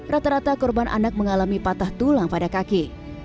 rata rata korban anak mengalami patah tulang pada kaki